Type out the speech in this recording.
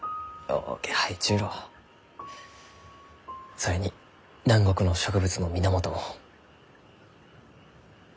それに南国の植物の源も。